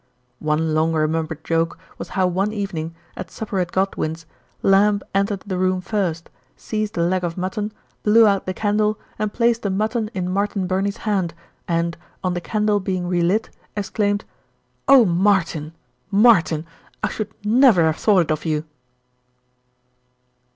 One long remembered joke was how one evening, at supper at Godwin's, Lamb entered the room first, seized a leg of mutton, blew out the candle, and placed the mutton in Martin Burney's hand, and, on the caudle being relit, exclaimed, "Oh, Martin! Martin! I should never have thought it of you."